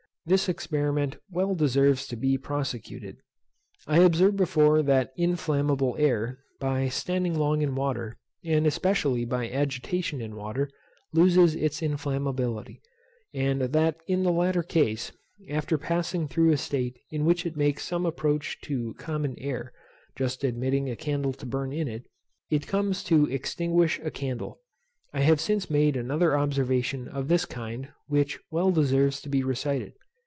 This experiment well deserves to be prosecuted. I observed before that inflammable air, by standing long in water, and especially by agitation in water, loses its inflammability; and that in the latter case, after passing through a state in which it makes some approach to common air (just admitting a candle to burn in it) it comes to extinguish a candle. I have since made another observation of this kind, which well deserves to be recited.